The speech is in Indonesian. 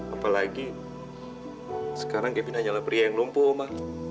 apalagi sekarang kevin hanyalah pria yang lumpuh mbak